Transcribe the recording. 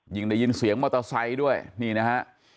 ได้ยินเสียงมอเตอร์ไซค์ด้วยนี่นะฮะ